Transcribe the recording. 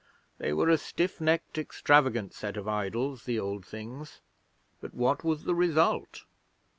They were a stiff necked, extravagant set of idols, the Old Things. But what was the result?